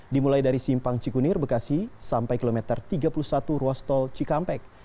dimulai dari simpang cikunir bekasi sampai kilometer tiga puluh satu ruas tol cikampek